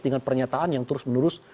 dengan pernyataan yang terus menerus